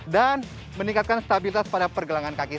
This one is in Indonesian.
dan meningkatkan stabilitas pada pergelangan kaki